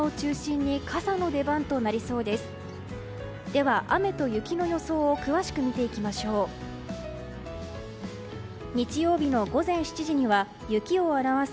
では雨と雪の予想を詳しく見ていきましょう。